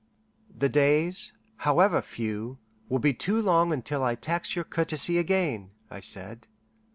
"The days, however few, will be too long until I tax your courtesy again," I said.